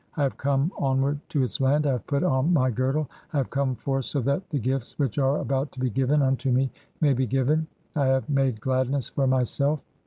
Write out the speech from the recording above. I "have come onward to its land, I have put on my girdle (?), "I have come forth so that the gifts which are about to be given "unto me may be (28) given, I have made gladness for myself.